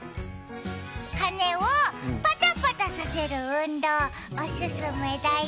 羽根をパタパタさせる運動、お勧めだよ。